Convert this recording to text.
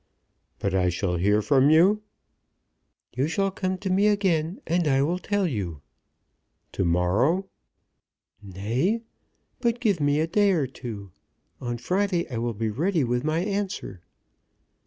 "But I shall hear from you." "You shall come to me again, and I will tell you." "To morrow?" "Nay; but give me a day or two. On Friday I will be ready with my answer."